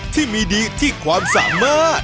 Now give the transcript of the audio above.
ที่มีดีที่ความสามารถ